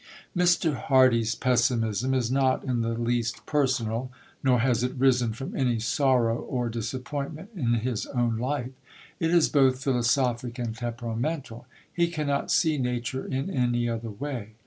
See Appendix. Mr. Hardy's pessimism is not in the least personal, nor has it risen from any sorrow or disappointment in his own life. It is both philosophic and temperamental. He cannot see nature in any other way.